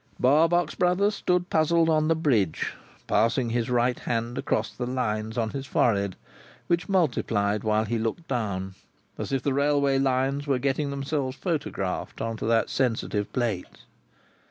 Barbox Brothers stood puzzled on the bridge, passing his right hand across the lines on his forehead, which multiplied while he looked down, as if the railway Lines were getting themselves photographed on that sensitive plate.